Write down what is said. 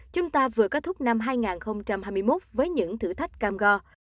chúng ta vừa kết thúc năm hai nghìn hai mươi một với những thử thách cam go